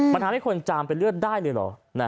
มันทำให้คนจามเป็นเลือดได้เลยเหรอ